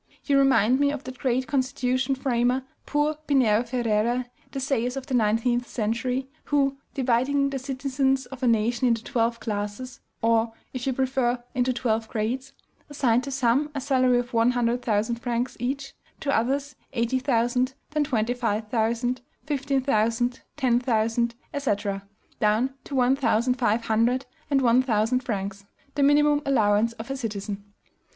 You remind me of that great constitution framer, poor Pinheiro Ferreira, the Sieyes of the nineteenth century, who, dividing the citizens of a nation into twelve classes, or, if you prefer, into twelve grades, assigned to some a salary of one hundred thousand francs each; to others, eighty thousand; then twenty five thousand, fifteen thousand, ten thousand, &c., down to one thousand five hundred, and one thousand francs, the minimum allowance of a citizen.